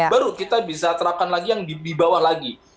baru kita bisa terapkan lagi yang di bawah lagi